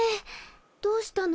どうしたの？